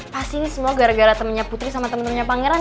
pasti ini semua gara gara temennya putri sama temen temennya pangeran